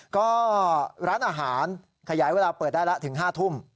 ก็ร้านอาหารขยายเวลาเปิดได้แล้วถึง๕ทุ่ม